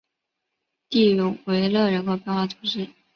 蒂永维勒人口变化图示